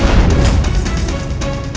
aku akan menangkanmu